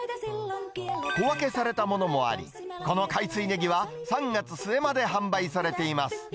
小分けされたものもあり、この海水ねぎは、３月末まで販売されています。